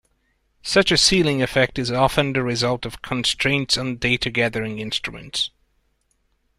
Such a ceiling effect is often the result of constraints on data-gathering instruments.